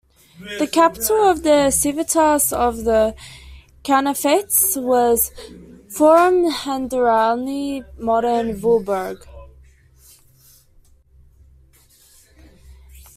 The capital of the "civitas" of the Cananefates was "Forum Hadriani", modern Voorburg.